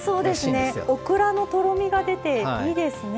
オクラのとろみが出ていいですね。